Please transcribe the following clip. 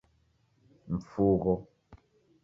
Mfugho